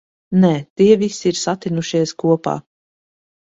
Nē, tie visi ir satinušies kopā.